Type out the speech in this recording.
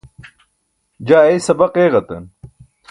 jaa eei sabaq eġatan